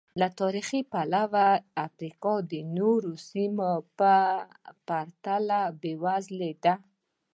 له تاریخي پلوه افریقا د نړۍ نورو سیمو په پرتله بېوزله ده.